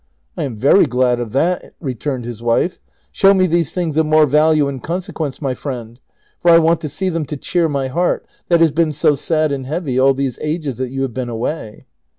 " I am very glad of that," returned his wife ;" show me these things of more value and consequence, my friend ; for I want to see them to cheer my heart that has been so sad and heavy all these ages that you have been away."